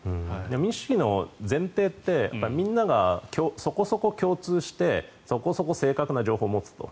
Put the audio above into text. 民主主義の前提ってみんながそこそこ共通してそこそこ正確な情報を持つと。